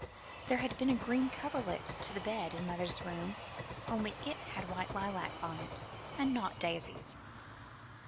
There had been a green coverlet to the bed in mother's room, only it had white lilac on it, and not daisies.